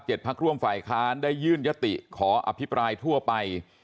พักร่วมฝ่ายค้านได้ยื่นยติขออภิปรายทั่วไป